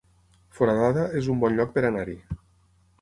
Foradada es un bon lloc per anar-hi